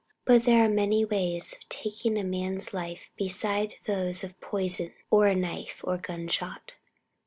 But there are many ways of taking a man's life besides those of poison or a knife or a gunshot.